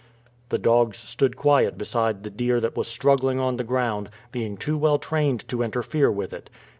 The dogs stood quiet beside the deer that was struggling on the ground, being too well trained to interfere with it.